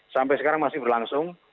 sampai sekarang masih berlangsung